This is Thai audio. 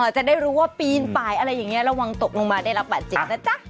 จะได้รู้ว่าปีนไปอะไรอย่างนี้ระวังตกลงมาได้รับบาดเจ็บนะจ๊ะ